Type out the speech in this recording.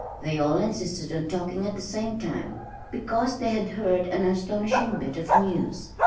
They all insisted on talking at the same time, because they had heard an astonishing bit of news.